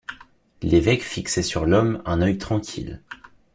L’évêque fixait sur l’homme un œil tranquille.